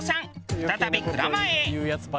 再び蔵前へ。